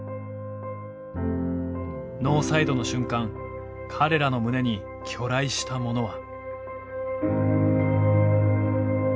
ノーサイドの瞬間彼らの胸に去来したものは。